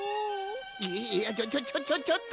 いやちょちょちょちょっと！